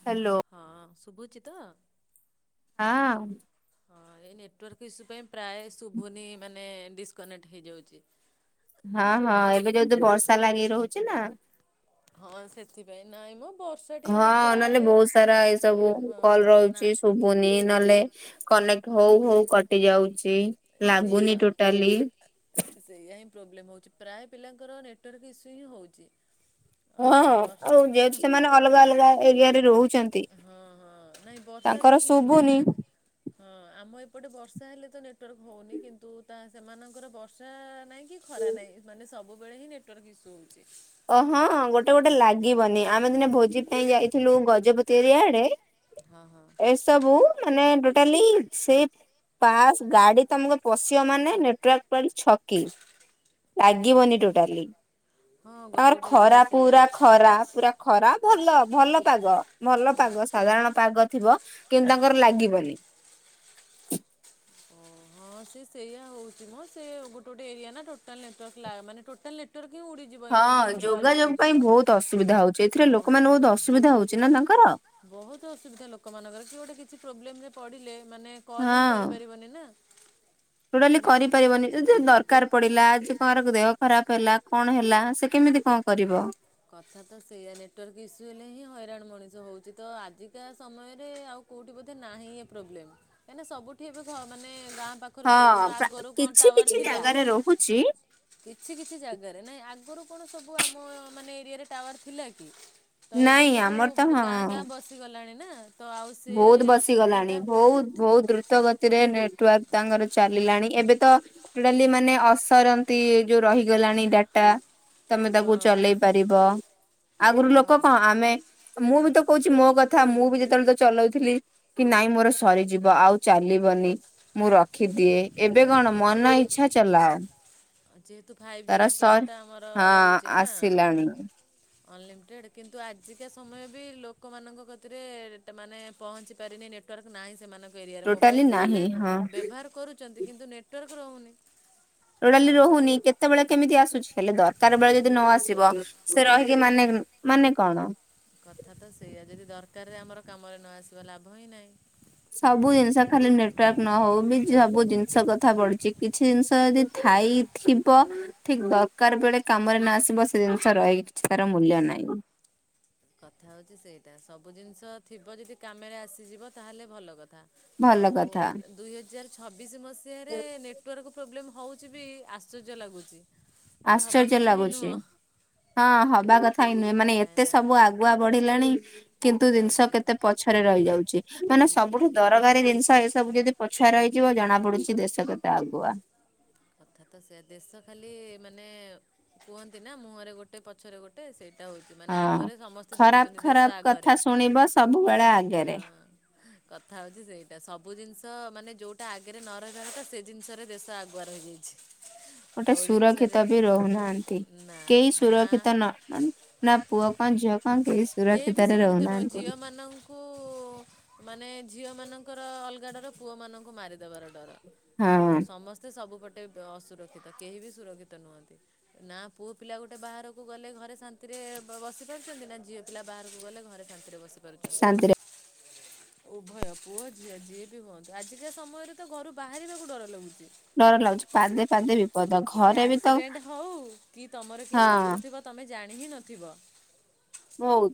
Hello ହଁ ଶୁଭୁଛିି ତ। ହଁ ହଁ ଏଇ ନେଟୱାର୍କ ଇସ୍ୟୁ ପାଇଁ ପ୍ରାୟ ଶୁଭୁନି ମାନେ ଡିସକନେକ୍ଟ ହେଇଯାଉଚି। ହଁ ହଁ ଏବେ ଯୋଉ ତି ବର୍ଷା ଲାଗି ରହୁଛି ନା? ହଁ ସେଥିପାଇଁ ନାଇଁ ମଁ ବର୍ଷ। ହଁ ନହେଲେ ବହୁତ ସାରା ଏଇ ସବୁ ହଁ କଲ ନା ରହୁଚି। ପୁନି ନହେଲେ କନେକ୍ଟ ହଉ ହଉ କଟି ଯାଉଚି। ସେ କ ସେଇୟା ହିଁ ପ୍ରୋବ୍ଲେମ ହଉଚି ନେଟୱାର୍କ ଇସ୍ୟୁ ହିଁ ହଉଚି। ହଁ ହଁ ଆଉ ଯେହେତୁ ସେମାନେ ଅଲଗା ଅଲଗା ଏରିଆ ରେ ରହୁଚନ୍ତି। ହଁ ହଁ ନାଇଁ। ବର୍ଷା ଠି ତାଙ୍କର କିଛି ନାହିଁ। ଶୁଭୁନି। ହଁ ଆମ ଏପଟେ ବର୍ଷା ହେଲେ ତ ନେଟୱାର୍କ ହଉନି। କିନ୍ତୁ ତା ସେମାନଙ୍କର ବର୍ଷା ନାଇଁ। ଖରା ନାହିଁ ମାନେ ସବୁବେଳେ ହିଁ ନେଟୱାର୍କ ଇସୁ ହଉଚି। ଓହଁ ଗୋଟେ ଗୋଟେ ଲାଗିବନି ଆମେ ଦିନେ ଭୋଜି ପାଇଁ ଯାଇଥିଲୁ ଗଜପତି ଏରିଆଡେ। ହଁ ହଁ। ଏସବୁ ମାନେ ଟୋଟାଲି ସେ- - ପାସ୍ ଗାଡି ତମକୁ ପଶିବ ମାନେ ନେଟୱାର୍କ ଛକି। ଲାଗିବନି ଟୋଟାଲି ହଁ ଗୋଟେ ତାମର ଗୋଟେ ଏରିଆ ଖରା ସେଇଆ ପୁରା ଅଛି। ଖରାପ। ପୁରା ଖରା ଭଲ ଭଲ ପାଗ ଭଲ ହଁ। ପାଗ ସାଧାରଣ ପାଗ ଥିବ। କିନ୍ତୁ ତାଙ୍କର ଲାଗିବନି। ଓ ହଁ ସେୟା ହଉଚି ମ ସେ ଗୋଟେ ଗୋଟେ ଏରିଆ ନା ଟୋଟାଲ ନେଟୱାର୍କ ମାନେ ଟୋଟାଲ୍ ନେଟୱାର୍କ ହିଁ ଉଡ଼ି ହଁ ଯୋଗାଯୋଗ ପାଇଁ ବହୁତ ଅସୁବିଧା ହଉଚି ଏଥିରେ ଲୋକମାନେ ବହୁତ ଅସୁବିଧା ହଉଚି ନା ତାଙ୍କର। ବହୁତ ଅସୁବିଧା ଲୋକମାନଙ୍କର କି ଗୋଟେ କିଛି ପ୍ରୋବ୍ଲେମରେ ପଡ଼ିଲେ ମାନେ କଲ୍ ହିଁ ହଁ କରିପାରିବନି ନା। ଟୋଟାଲି ନେଟ୍ କରିପାରିବନି ଯେ ଦରକାର ପଡିଲା ଯେ କର ଦେହ ଖରାପ ହେଲା। କଣ ହେଲା ସେ କେମିତି କଣ କରିବ? କଥା ତ ସେୟା ନେଟୱାର୍କ ଇସୁ ହେଲେ ହିଁ ହଇରାଣ ମଣିଷ ହଉଛି ତ ଆଜିକା ସମୟରେ ଆଉ। କେଉଠି ବୋଧେ ନାହିଁ ଏ ପ୍ରୋବ୍ଲେମ୍ କାଇଁ ନା ସବୁଠି ଏବେ ଘ ମାନେ ଗାଁ ପା ଉପରୁ ହଁ ଯୋ ଆମର ପ୍ରା ଆଗରୁ କଣ କିଛି ଟାୱାର କିଛି ଥିଲା? ଜାଗାରେ ରହୁଛି କିଛି କିଛି ଜାଗାରେ ନାଇଁ ଆଗରୁ କଣ ସବୁ ଆମ ମାନେ ଏରିଆରେ ଟାୱାର ଥିଲା କି? ତ ଏବେ ନାଇଁ ଆମର ତ ସବୁ ଗାଁ ହଁ ଗାଁ ବସିଗଲାଣି ନା। ତ ଆଉ ସେ ବହୁତ ବସିଗଲାଣି ଅସୁବିଧାଟା ବହୁତ ବହୁତ ଦୂ ଦୂତ ଗତିରେ ନେଟୱାର୍କ ତାଙ୍କର ଚାଲିଲାଣି ଏବେ ତ। ଡାଲି ମାନେ ଅସରନ୍ତି ଯୋଉ ରହିଗଲାଣି ଡାଟା। ତମେ ତାକୁ ହଁ ଚଲେଇ ପାରିବ ଆଗରୁ ଲୋକ ହଁ କଣ ଆମେ। ମୁଁ ବି ତ କହୁଛି ମୋ କଥା ମୁଁ ବି ଯେତେଳେ ତ ଚଲଉଥିଲି କି ନାଇଁ ମୋର ସରିଯିବ ଆଉ ଚାଲିବନି। ମୁଁ ରଖିଦିଏ ଏବେ କଣ ମନ ଇଚ୍ଛା ଚଲାଅ। ଯେହେତୁ ଫାଇଭ୍ ଜି ତାର ସର୍ ନେଟୱାର୍କଟା ଆମର ହଁ ରହୁଚି ନା। ଆସିଲାଣି ଅନଲିମିଟେଡ୍ କିନ୍ତୁ ଆଜିକା ସମୟ ବି ଲୋକମାନଙ୍କ କତିରେ ମାନେ ପହଞ୍ଚି ପାରିନି ନେଟ୍। ନେଟୱାର୍କ ନାହିଁ ସେମାନଙ୍କ ଏରିଆରେ ଟୋଟାଲି ମୋବାଇଲ ସେମାନେ ନାହିଁ ହଁ। ବ୍ୟବହାର କରୁଚନ୍ତି କିନ୍ତୁ ନେଟୱାର୍କ ରହୁନି। ଟୋଟାଲି ଆଉ ରହୁନି କେତେ? କେତେବେଳେ କେମିତି ଆସୁଛି ହେଲେ ଦରକାର ବେଳେ ଯଦି ନ ଆସିବ ସେ ରହିକି ମାନେ ମାନେ କଣ? କଥା ତ ସେଇୟା ଯଦି ଦରକାରରେ ଆମର କାମରେ ନ ଆସିବା ଲାଭ ହିଁ ନାହିଁ। ସବୁ ଜିନିଷ ଖାଲି ନେଟୱାର୍କ ନ ହଉ ବି ସବୁ ଜିନିଷ କଥା ପଢୁଛି କିଛି ଜିନିଷ ଯଦି ଥାଇ ଥିବ ଠିକ ଦରକାର ବେଳେ କାମରେ ନ ଆସିବ ସେ ଜିନିଷ ରହିକି କିଛି ତାର ମୂଲ୍ୟ ନାହିଁ। କଥା ହେଉଛି ସେଇଟା ସବୁ ଜିନିଷ ଥିବ ଯଦି କାମେରେ ଆସିଯିବ ତାହେଲେ ଭଲ କଥା। ଭଲ ଆଉ କଥା ଦୁଇ ହଜାର ଛବିଶ ମସିହାରେ ନେଟୱାର୍କ ପ୍ରୋବ୍ଲେମ ହଉ କିଛି ବି ଆଶ୍ଚର୍ଯ୍ୟ ଲାଗୁଛି। ଆଉ ହବା ଆଶ୍ଚର୍ଯ୍ୟ କଥା ହିଁ ଲାଗୁଛି ନୁହଁ ହଁ ହବା କଥା ହିଁ ନୁହେଁ ମାନେ ଏତେ କାହିଁକିନା ସବୁ ଆ ଗୁଆ ବଢିଲାଣି କିନ୍ତୁ କଥା ଜିନିଷ ହେଉଛି କେତେ ପଛରେ ରହିଯାଉଚି ମାନେ ଯୁ ସବୁଠୁ ଦରକାରୀ ଜିନିଷ ଏ ସବୁ ଯଦି ପଛୁଆ ରହିଜିବ ଜଣା ପଡୁଚି ଦେଶ କେତେ ଆଗୁଆ? କଥା ତ ସେ ଦେଶ ଖାଲି ମାନେ କୁହନ୍ତି ନା ମୁହଁରେ ଗୋଟେ ପଛରେ ଗୋ ଟେ ସେଇଟା ହଉଛି ମାନେ ହଁ ଆଗରେ ସମସ୍ତେ ଖରାପ ଦେଖୁଛନ୍ତି ଦେଶ ଖରାପ କଥା ଆଗରେ ଶୁଣିବ ସବୁବେଳେ ହଁ। ଆଗରେ କଥା ହଉଛି ସେଇଟା ସବୁ ଜିନିଷ ମାନେ ଯୋଉଟା ଆଗରେ ନ ରହିବା କଥା ସେ ଜିନିଷ ରେ ଦେଶ ଆ ଆଗୁଆ ରହିଯାଇଛି। ଗୋଟେ ଜିନିଷରେ ସୁରକ୍ଷିତ ବି ରହୁନାହାନ୍ତି ନା କେହି ନା ସୁରକ୍ଷିତ ନ ମାନ୍। ନା ପୁଅ କନ୍ ଝିଅ କନ୍ କେହି ସୁରକ୍ଷିତ ରେ ରହୁନାହାନ୍ତି। କୁ ମାନେ ଝିଅମାନଙ୍କର ଅଲଗା ଡର ପୁଅମାନଙ୍କୁ ମାର୍। ଦବାର ଡର ଆଉ ହଁ ସମସ୍ତେ ସବୁପଟେ ଅସୁରକ୍ଷିତ କେହି ବି ସୁରକ୍ଷିତ ନୁହନ୍ତି। ନା ପୁଅ ପିଲା ଗୋଟେ ବାହାରକୁ ଗଲେ ଘରେ ଶାନ୍ତିରେ ବ ବସି ପାରୁଛନ୍ତି ନା ଝିଅ ପିଲା ବାହାରକୁ ଗଲେ ଘରେ ଶାନ୍ତିରେ ବସିପାରୁଚନ୍ତି। ଶାନ୍ତିରେ ଉଭୟ ପୁଅ ଝିଅ ଯିଏ ବି ହୁଅନ୍ତୁ ଆଜିକା ସମୟରେ ତ ଘରୁ ବାହାରିବାକୁ ଡର ଲାଗୁଚି। ଡର ଲାଗୁଚି ପାଦେ ପାଦେ ବି ବିପଦ ସେ ଘରେ ତ ଆକ୍ସିଡେଣ୍ଟ ହଉ କି ତମର କିଏ ହଁ ଶତ୍ରୁ ଥିବ ତମେ ଜାଣି ହିଁ ନଥିବ। ହଉ।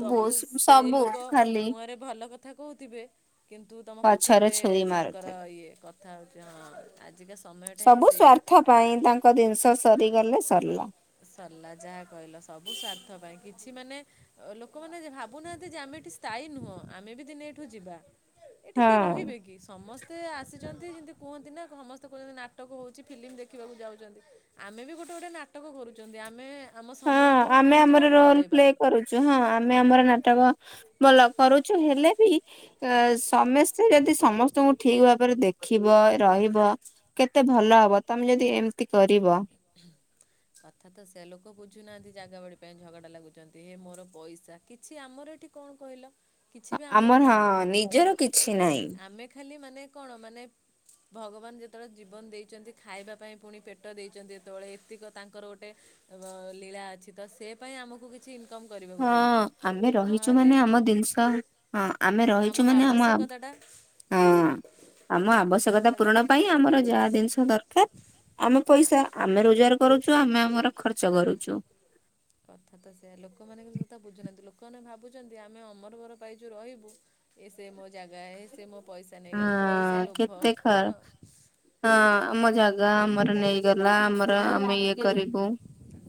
ତମକୁ ସେଇ ଲୋକ ମୁହଁରେ ଭଲ କଥା କହୁଥିବେ କିନ୍ତୁ ତମ ପ ପଛରେ ପଛପଟେ ଛୁରୀ ତାଙ୍କର ମାରୁଥିଲେ। ଇଏ କଥା ହେଉଥିବେ ହଁ ଆଜିକା ସମୟଟା ହିଁ ସେ ପାର୍ଥ ପାଇଁ ତାଙ୍କ ଜିନିଷ ସରିଗଲେ ସରଲା। ସରଲା ଯାହା କହିଲ ସବୁ ସ୍ଵାର୍ଥ ପାଇଁ କିଛି ମାନେ। ଲୋକମାନେ ଭାବୁନାହାନ୍ତି ଯେ ଆମେ ଏଠି ସ୍ଥାୟୀ ନୁହଁ ଆମେ ବି ଦିନେ ଏଇଠୁ ଯିବା। ଏଠି କିଏ ହଁ। ରହିବେ କି? ସମସ୍ତେ ଆସିଛନ୍ତି ଯେମିତି କୁହନ୍ତି ନା ସମସ୍ତେ କହୁଛନ୍ତି ନାଟକ ହଉଚି ଫିଲ୍ମ ଦେଖ। ଯୋଉ ଯାଉଚନ୍ତି ଆମେ ବି ଗୋଟେ ଗୋଟେ ନାଟକ କରୁଛନ୍ତି ଆମେ ଆମ ହଁ ସମୟ ଯେତେବେଳେ ପୁରିଯିବ ଆମର ଆମେ ରୋଲ ପଳେଇବା। ପ୍ଲେ କରୁଛୁ ହଁ ଆମେ ଆମର ନାଟକ ଭଲ କରୁଛୁ ହେଲେ ବି ଅ ସମସ୍ତେ ଯଦି ସମସ୍ତଙ୍କୁ ଠିକ ଭାବରେ ଦେଖିବ ରହିବ କେତେ ଭଲ ହବ ତମେ ଯଦି ଏମିତି କରିବ। କଥା ତ ସେ ଲୋକ ବୁଝୁନାହାନ୍ତି ଜାଗା ବାଡି ପାଇଁ ଝଗଡା ଲାଗୁଛନ୍ତି ହେ ମୋର ପଇସା କିଛି ଆମର ଏଠି କଣ କହିଲ କିଛି ବି ଆମର ନାହିଁ ହଁ ନିଜର କିଛି ନାହିଁ। ଆମେ ଖାଲି ମାନେ କଣ ମାନେ ଭଗବାନ ଯେତେବେଳେ ଜୀବନ ଦେଇଚନ୍ତି। ଖାଇବା ପାଇଁ ପୁଣି ପେଟ ଦେଇଚନ୍ତି। ଯେତେବେଳେ ଏତିକ ତାଙ୍କର ଗୋଟେ ଲୀଳା ଅଛି ତ ସେ ପାଇଁ ଆମକୁ କିଛି ଇନକମ୍ କରିବ ହଁ ଆମେ ରହିଛୁ ମାନେ ଆମ ଜିନିଷ ହଁ ଆମେ ରହିଛୁ ମାନେ ଆମ ହଁ ଆମ ଆବଶ୍ୟକତା ଆବଶ୍ୟକତାଟା ପୂରଣ ପାଇଁ ଆମର ଯାହା ଜିନିଷ ଦରକାର ଆମ ପଇସା ଆମେ ରୋଜଗାର କରୁଛୁ ଆମେ ଆମର ଖର୍ଚ୍ଚ କରୁଛୁ। କଥା ତ ସେଇୟା ଲୋକମାନେ କିନ୍ତୁ ତ ବୁଝୁନାହାନ୍ତି ଲୋକମାନେ ଭାବୁଛନ୍ତି ଆମେ ଅମର ବର ପାଇଛୁ ରହିବୁ। ଏ ସେ ମୋ ଜାଗା ଏ ସେ ମୋ ପଇସା ହଁ ନେଇଗଲେ ପଇସା ଲୋଭ କେତେ ଖ କଣ? ହଁ ଆମ ଜାଗା ଆମର ନେଇଗଲା ଆମର ଆମେ ଇଏ କରିବୁ।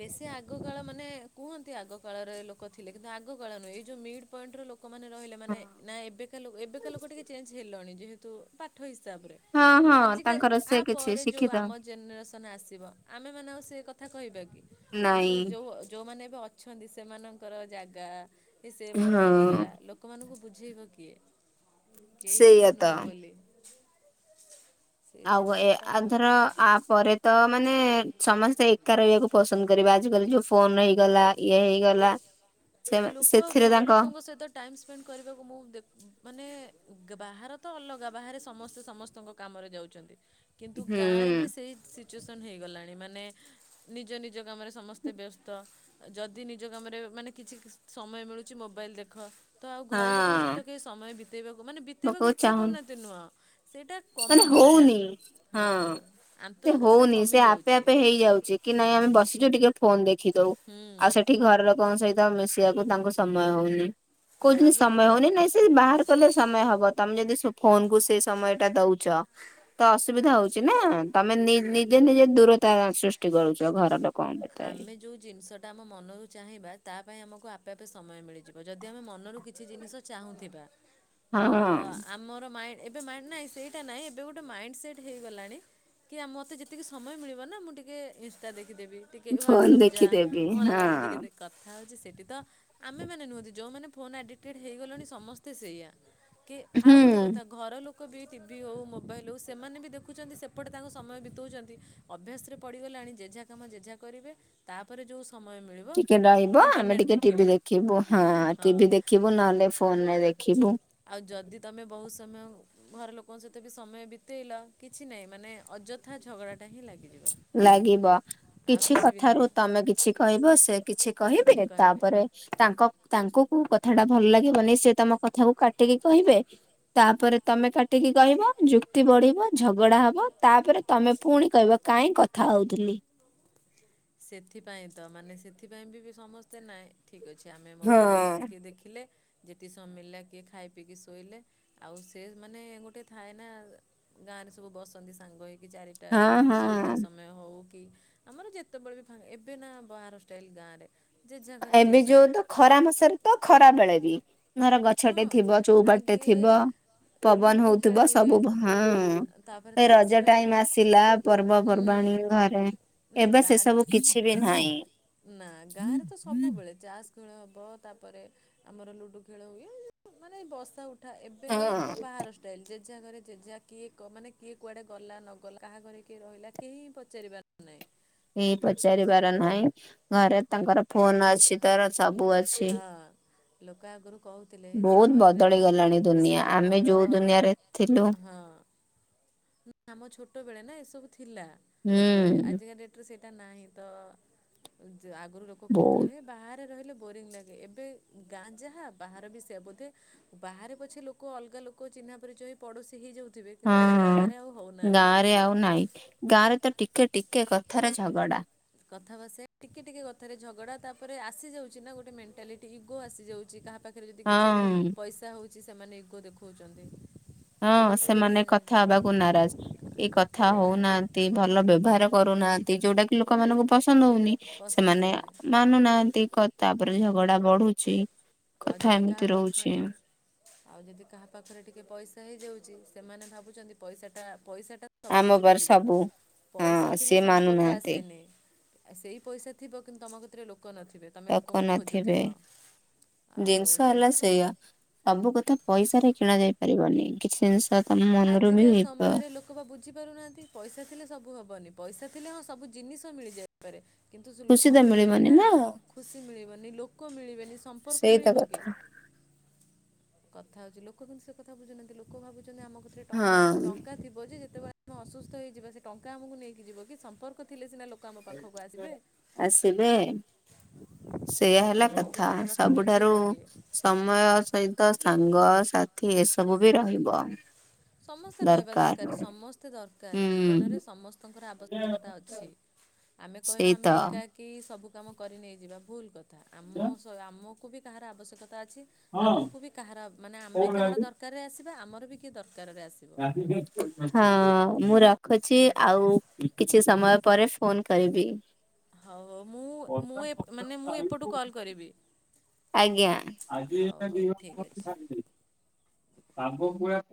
ବେଶୀ ଆଗ କାଳ ମାନେ କୁହନ୍ତି ଆଗ କାଳରେ ଲୋକ ଥିଲେ କିନ୍ତୁ ଆଗ କାଳ ନୁହେଁ ଏଇ ଯୋଉ ମିଡ ପଏଣ୍ଟର ଲୋ ଲୋକମାନେ ରହିଲେ ମାନେ ନା ଏବେକା ଲୋକ ଏବେକା ଲୋକ ଟିକେ ଚେଞ୍ଜ ହେଲେଣି ଯେହେତୁ ପାଠ ହିସାବରେ। ହଁ ହଁ ଆଜିକା ତାଙ୍କର ସେ ଆ କିଛି ପରେ ଯୋଉ ଶିକ୍ଷିତ ଆମ ଜେନେରେସନ୍ ଆସିବ ଆମେମାନେ ଆଉ ସେ କଥା କହିବା କି କିନ୍ତୁ ନାଇଁ ଯେଉଁ ଯେଉଁମାନେ ଏବେ ଅ ଅଛନ୍ତି ସେମାନଙ୍କର ଜାଗା ସେ ମୋର ହଁ। ନେଇଗଲା ଲୋକ ଲୋକମାନଙ୍କୁ ବୁଝେଇବ କିଏ କେହି ଏଠି ସେଇଆ ତ। ନୁହଁ ବୋଲି। ସେ ଆଉ ଏ ଜିନିଷଟା ଆ ଧର ରହୁଛି। ଆ ପରେ ତ ମାନେ ସମସ୍ତେ ଏକା ରହିବାକୁ ପସନ୍ଦ କରିବେ ଆଜିକାଲି ଯୋଉ ଫୋନ ହେଇଗଲା ଇଏ ହେଇଗଲା ସେ ଲୋକ ଆଉ ସେଥିରେ ଘର ତାଙ୍କ ଲୋକଙ୍କ ସହିତ ଟାଇମ୍ ସ୍ପେଣ୍ଡ କରିବାକୁ ମୁଁ ଦେ ମାନେ ବାହାର ତ ଅଲଗା ବାହାରେ ସମସ୍ତେ ସମସ୍ତଙ୍କ କାମରେ ଯାଉଚନ୍ତି କିନ୍ତୁ ହୁଁ ଗାଁରେ ବି ସେଇ ସିଚୁଏସନ୍ ହେଇଗଲାଣି ମାନେ ନିଜ ନିଜ କାମରେ ସମସ୍ତେ ବ୍ୟସ୍ତ ଯଦି ନିଜ କାମରେ ମାନେ କିଛି ସମୟ ମିଳୁଛି ମୋବାଇଲ ଦେଖ ତ ଆଉ ଘର ଲୋକଙ୍କ ସହିତ ହଁ। କେହି ସମୟ ବି ବିତେଇବାକୁ ମାନେ ବିତେଇବାକୁ ପକଉ ଇଚ୍ଛା ଚାହୁଁନ କରୁନାହାନ୍ତି ନୁହଁ ସେଇଟା ମାନେ କମିଗଲାଣି ହଉନି ହଁ ସେ ଆନ୍ତରିକତାଟା ହଉନି ସେ ଆପେ କମିଯାଉଚି। ଆପେ ହେଇଯାଉଛି କି ନାଇଁ ଆମେ ବସିଛୁ ଟିକେ ଫୋନ ଦେଖିଦଉ ହୁଁ ଆଉ ସେଠି ଘରୋକଙ୍କ ସହିତ ମି ମିସିବାକୁ ତାଙ୍କୁ ସମୟ ହଉନି କୋଉଦିନ ଆଉ ଗୋଟେ ସମୟ ହଉନି କଥା ନାଇଁ ସେ ବାହାର କଲେ ସମୟ ହବ ତମେ ଯଦି ସୋ ଫୋନ କୁ ସେଇ ସମୟ ଟା ଦଉଚ। ତ ଅସୁବିଧା ହଉଚି ନା ତମେ ନି ନିଜେ ନିଜେ ଦୂରତା ସୃଷ୍ଟି କରୁଚ ଘର ଲୋକ ଆମେ ଯୋଉ ଜିନିଷ ତା ଆମ ମନରୁ ଚାହିଁବା ତା ପାଇଁ ଆମକୁ ଆପେ ଆପେ ସମୟ ମିଳିଯିବ ଯଦି ଆମେ ମନରୁ କିଛି ଜିନିଷ ଚାହୁଁଥିବା। ହ [unintelligible] ତ ଆମର ମାଇଣ୍ଡ ଏବେ ନାଇଁ ସେଇଟା ନାଇଁ ଏବେ ଗୋଟେ ମାଇଣ୍ଡ ସେଟ୍ ହେଇଗଲାଣି। କି ମୋତେ ଯେତିକି ସମୟ ମିଳିବ ନା ମୁଁ ଟିକେ ଇନ୍ଷ୍ଟା ଦେଖିଦେବି। ଟିକେ ଫୋନ ହ୍ୱାଟ୍ସଅପ୍ ଯା ଦେଖିଦେବି ହଁ ଅନଲାଇନ୍ ଟିକେ କଥା ହେଉଛି ସେଇଠି ତ। ଆମେ ମାନେ ନୁହନ୍ତି ଯୋଉମାନେ ଫୋନ ଆଡିକଟେଡ୍ ହେଇଗଲେଣି ସମସ୍ତେ ସେଇଆ କି ଆଉ ଗୋଟେ ହୁଁ। କଥା। ଘର ଲୋକ ବି ଟିଭି ହଉ ମୋବାଇଲ ହଉ ସେମାନେ ବି ଦେଖୁଛନ୍ତି ସେପଟେ ତାଙ୍କ ସମୟ ବିତଉଛନ୍ତି। ଅଭ୍ୟାସରେ ପଡ଼ିଗଲାଣି ଯେଜା କାମ ଯେଜା କରିବେ ତାପରେ ଯେଉଁ ସମୟ ମିଳିବ। ଟିକେ ରହିବ ଆମେ ଇଣ୍ଟରନେଟ୍ ଟିକେ ଟିଭି ଦେଖିବେ ଦେଖିବୁ ହଁ ହଁ ଟିଭିି ଦେଖିବୁ ନହେଲେ ଫୋନରେ ଦେଖିବୁ। ଆଉ ଯଦି ତୁମେ ବହୁତ ସମୟ। ଘର ଲୋକଙ୍କ ସହିତ ବି ସମୟ ବିତେଇଲା କିଛି ନାହିଁ ମାନେ ଅଯଥା ଝଗଡ଼ାଟା ହିଁ ଲାଗିଯିବ। ଲାଗିବ ଆଉ କିଛି ବି ନାହିଁ କଥାରୁ ତମେ କିଛି କହିବ ସେ କିଛି କହିବି ତାପରେ। ତାଙ୍କ ତାଙ୍କୁ କଉ କଥା ଟା ଭଲ ଲାଗିବନି ସେ ତମ କଥାକୁ କାଟିକି କହିବେ। ତାପରେ ତମେ କାଟିକି କହିବ ଯୁକ୍ତି ବଢିବ ଝଗଡା ହବ। ତାପରେ ତମେ ପୁଣି କହିବ କାହିଁ କଥା ହଉଥିଲି। ସେଥିପାଇଁ ତ ମାନେ ସେଥିପାଇଁ ବି ବି ସମସ୍ତେ ନାଁଇ। ଠିକ୍ ଅଛି ଆମେ ହଁ। ମୋବାଇଲ ଟିକେ ଦେଖିଲେ। ଯେତିକି ସମୟ ମିଳିଲା କିଏ ଖାଇ ପିଇକି ଶୋଇଲେ ଆଉ ସେ ମାନେ ଗୋଟେ ଥାଏ ନା। ଗାଁ ରେ ସବୁ ବସନ୍ତି ସାଙ୍ଗ ହେଇକି ଚାରିଟା ହଁ ମାନେ ହଁ ସନ୍ଧ୍ୟା ସମୟ। ଆମେ ହଉ କି ଆମର ଯେତେବେଳେ ବି ଫା ଏବେ ନା ବାହାର ଷ୍ଟାଇଲ ଗାଁରେ। ଜେଝା ଘରେ ଏବେ ଜେଝା ଯୋଉ ତ ଖରା ମସାରେ ତ ଖରା ବେଳେ ବି। ଧର ହଁ ଗଛଟେ ଥିବ ଚଉପଟଟେ ଆଗେ ଥିବ। ପବନ ଲୁଡ଼ୁ ହଉଥିବ ଖେଳା ହୁଏ। ସବୁ ହଁ ତାପରେ ଏ ତାସ୍ ରଜ ଖେଳା ଟାଇମ ହୁଏ ଆସ ଥିଲା ହୁଁ ପର୍ବପର୍ବାଣି ଘରେ। ନାଇଁ ଏବେ ସେ ଗାଁରେ ସବୁ କିଛି ବି ନାହିଁ। ନା ଗାଁରେ ତ ସବୁବେଳେ ଚାସ୍ ଖେଳ ହବ ତାପରେ ଆମର ଲୁଡ଼ୁ ଖେଳ ହୁଏ ମାନେ ବସା ଉଠ ଠା ଏବେ ଆଉ ପୁରା ହଁ ବାହାର। ଯେଝା ଘରେ ଯେଝା କିଏ ମାନେ କିଏ କୁଆଡେ ଗଲା ନ ଗଲା କାହା ଘରେ କିଏ ରହିଲା କେହି ହିଁ ପଚାରିବାର। ନାଇଁ। ଏଇ ପଚାରିବାର ନାହିଁ ଘରେ ତାଙ୍କର ଫୋନ ଅଛି। ତାର ସବୁ ଅଛି। ହଁ ଲୋକ ଆଗରୁ କହୁଥିଲେ ବହୁତ ସହରରେ ବଦଳି ଗଲାଣି ଦୁନିଆ ଆମେ ସହର ଯୋଉ ଦୁନିଆରେ ଥିଲୁ। ନା ଆମ ଛୋଟ ବେଳେ ନା ଏସବୁ ଥିଲା ତ ହୁଁ। ଆଜିକା ଡେଟ ସେଟା ନାହିଁ ତ ଆଗରୁ ଲୋକ ବହୁତ କହୁଥିଲେ ବାହାରେ ରହିଲେ ବୋରିଂ ଲାଗେ। ଏବେ ଗାଁ ଯାହା ବାହାର ବି ସେୟା ବୋଧେ। ବାହାରେ ପଛେ ଲୋକ ଅଲଗା ଲୋକ ଚିହ୍ନା ପରିଚୟ ପଡୋଶୀ ହେଇଯାଉଥିବେ କିନ୍ତୁ। ହଁ ଗାଁରେ ଆଉ ହଉନାହାନ୍ତି ଗାଁ ରେ ଆଉ ନାଇଁ ଗାଁ ରେ ତ ଟିକେ ଟିକେ କଥାରେ ଝଗଡା। କଥା ଭାସେ ଟିକେ ଟିକେ କଥାରେ ଝଗଡା ତାପରେ ଆସିଯାଉଛି ନା ଗୋଟେ ମେଣ୍ଟାଲିଟି ଇଗୋ ଆସିଯାଉଛି କାହା ପାଖରେ। ପାଖରେ ଯଦି କିଛି ହଁ। ପଇସା ହେଉଛି ସେମାନେ ଇଗୋ ଦେଖାଉଛନ୍ତି। ତ ହଁ ସେମାନେ ସେ କଥା ହବାକୁ ନାରାଜ ଏ କଥା ହେବାକୁ ହଉନା ନାଁରେ ନ୍ତି ଭଲ ବ୍ୟବହାର କରୁନାହାନ୍ତି ଯୋଉଟା କି ଲୋକମାନଙ୍କୁ ପସନ୍ଦ ହଉନି। ପସନ୍ଦ ସେମାନେ ହେଉନି ମାନୁନାହାନ୍ତି ତାପରେ ଝଗଡା ବଢୁଛି। ଆଉ କଥା ଯଦି ଏମିତି କାହା ରହୁଛି ପାଖରେ। ଆଉ ଯଦି କାହା ପାଖରେ ଟିକେ ପଇସା ହେଇଯାଉଛି ସେମାନେ ଭାବୁଛନ୍ତି ପଇସାଟା ପଇସାଟା। ସବୁ ଆମ କିିଛି ଉପରେ କରିବା ସବୁ ପଇସା ହଁ ଥିଲେ ସିଏ ସମ୍ପର୍କ ମାନୁନାହାନ୍ତି ଆସେନି। ଆ ସେଇ ପଇସା ଥିବ କିନ୍ତୁ ତୁମ କତିରେ ଲୋକ ନଥିବେ ତମେ ଲୋକ ଲୋକଙ୍କୁ ନଥିବେ। ଖୋଜୁଥିବ। ଆଉ ଜିନିଷ ସେ ହେଲା ସେଇଆ ସବୁ କଥା ପଇସାରେରେ କିଣା ଯାଇ ପାରିବନି। କିଛି ଜିନିଷ ତମ ମନରୁ ବି ହେଇପ ଲୋକପା ବୁଝି ପାରୁନାହାନ୍ତି, ପଇସା ଥିଲେ ସବୁ ହବନି, ପଇସା ଥିଲେ ହଁ ସବୁ ଜିନିଷ ମିଳିଯାଏ କିନ୍ତୁ ସେ ଖୁସି ତ ଲୋକ ମିଳିବେନି ମିଳିବନି ନା? ଖୁସି ମିଳିବନି, ଲୋକ ମିଳିବେନି, ସମ୍ପର୍କ ସେଇତ ମିଳିବ କି? କଥା [inaudible] କଥା ହଉଚି, ଲୋକ କିନ୍ତୁ ସେ କଥା ବୁଝୁନାହାନ୍ତି। ଲୋକ ଭାବୁଛନ୍ତି ଆମ କିତରେ ଟଙ୍କା ଅଛି, ହଁ ଟଙ୍କା ଥିବ ଯେ ଯେତେବେଳେ ଆମେ ଅସୁସ୍ଥ ହେଇଯିବା, ସେ ଟଙ୍କା ଆମକୁ ନେଇକି ଯିବ କି? ସମ୍ପର୍କ ଥିଲେ ସିନା ଲୋକ ଆମ ପାଖକୁ ଆସିବେ। ଆସିବେ। ସେଇୟା ହେଲେ ହେଲା ଲୋକଙ୍କୁ ଏତେ କଥା ସବୁଠାରୁ ବୁଝେଇବ କିଏ? ସମୟ ସହିତ ସାଙ୍ଗ ସାଥି ଏସବୁ ବି ରହିବ। ସମସ୍ତେ ରହିବା ଦରକାର, ସମସ୍ତେ ଦରକାର, ହୁଁ ଜୀବନରେ ସମସ୍ତଙ୍କର ଆବଶ୍ୟକତା ଅଛି। [inaudible] ଆମେ କହିବା ତ ଆମେ ଏକାକି ସବୁ କାମ କରି ନେଇଯିବା। ଭୁଲ କଥା, ଆମ ଆମ ଆମକୁବି କାହାର ଅବଶ୍ୟକତା ଅଛି। ଆମକୁ ବି କାହାର ମାନେ, ଆମେ କାହାର ଦରକାର ରେ ଆସିବା, ଆମରବି କିଏ ଦରକାର ରେ ଆସିବେ। ଦରକାରରେ ଆସେ ହଁ ମୁଁ ତ ରଖୁଚି, ସେଇ ଆଉ କିଛି ସମୟ ପରେ ଫୋନ କରିବି। ହଉ ହଉ ମୁଁ ମୁଁ ମାନେ ମୁଁ ଏପଟୁ କଲ୍ କରିବି। ହଉ ହଉ ଠିକ୍ ଅଛି। ଆଜ୍ଞା।